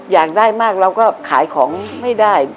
อยากได้มากเราก็ขายของไม่ได้